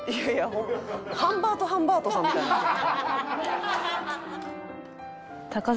ハンバートハンバートさんみたいになってる。